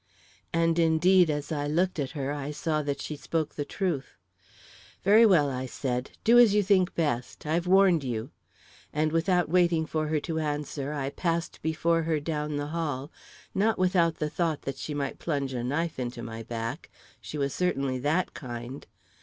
And, indeed, as I looked at her, I saw that she spoke the truth. "Very well," I said; "do as you think best. I've warned you," and without waiting for her to answer, I passed before her down the hall, not without the thought that she might plunge a knife into my back she was certainly that kind!